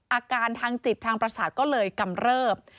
อาการทางจิตทางประสาทก็เลยกำเริบ